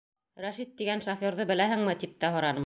Рәшит тигән шоферҙы беләһеңме, тип тә һораным.